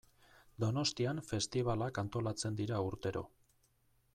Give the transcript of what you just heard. Donostian festibalak antolatzen dira urtero.